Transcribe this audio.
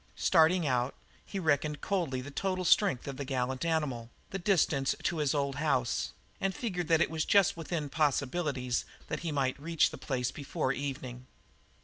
Starting out, he reckoned coldly the total strength of the gallant animal, the distance to his old house, and figured that it was just within possibilities that he might reach the place before evening.